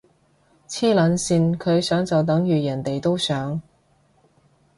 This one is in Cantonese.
黐撚線，佢想就等如人哋都想？